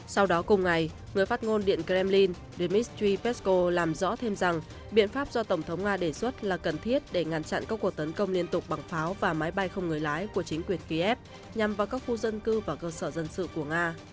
sau đó cùng ngày người phát ngôn điện kremlin dmitry pesko làm rõ thêm rằng biện pháp do tổng thống nga đề xuất là cần thiết để ngăn chặn các cuộc tấn công liên tục bằng pháo và máy bay không người lái của chính quyền kiev nhằm vào các khu dân cư và cơ sở dân sự của nga